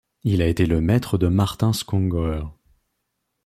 Il a été le maître de Martin Schongauer.